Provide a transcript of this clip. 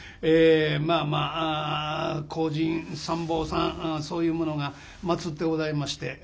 まあまあ荒神三宝さんそういうものがまつってございまして。